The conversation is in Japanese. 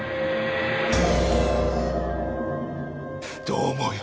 どう思うよ？